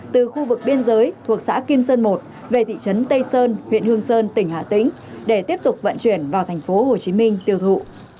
từ khu vực biên giới thuộc xã kim sơn một về thị trấn tây sơn huyện hương sơn tỉnh hà tĩnh để tiếp tục vận chuyển vào thành phố hồ chí minh tiêu thụ